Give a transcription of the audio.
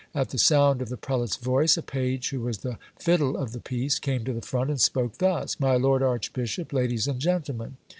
At the sound of the prelate's voice, a page, who was the fiddle of the piece, came to the front and spoke thus : My lord arch bishop, ladies, and gentlemen